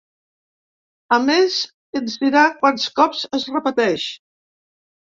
A més, ens dirà quants cops es repeteix.